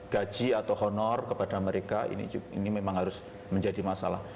gaji atau honor kepada mereka ini memang harus menjadi masalah